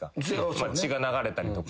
血が流れたりとか。